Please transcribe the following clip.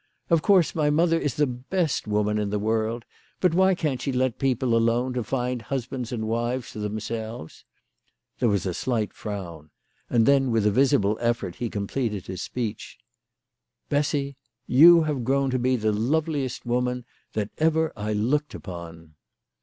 Of course, my mother is the best woman in the world ; but why can't she let people alone to find husbands and wives for themselves ?" There was a slight frown, and then with a visible effort he com pleted his speech. "Bessy, you have grown to be the loveliest woman* that ever I looked upon.".